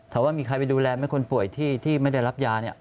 ว่ามีใครไปดูแลไหมคนป่วยที่ไม่ได้รับยาเนี่ย